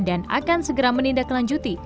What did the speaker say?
dan akan segera menindaklanjuti